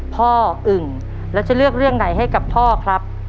อึ่งแล้วจะเลือกเรื่องไหนให้กับพ่อครับ